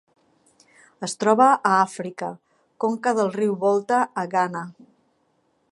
Es troba a Àfrica: conca del riu Volta a Ghana.